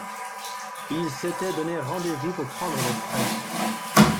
Ils s’étaient donné rendez-vous pour prendre le frais.